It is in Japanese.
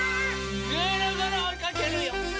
ぐるぐるおいかけるよ！